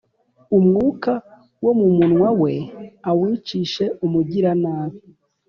umwuka wo mu munwa we awicishe umugiranabi.